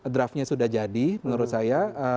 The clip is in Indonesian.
draftnya sudah jadi menurut saya